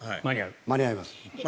間に合います。